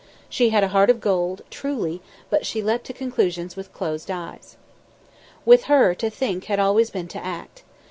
She had a heart of gold, truly, but she leapt to conclusions with closed eyes. With her to think had always been to act.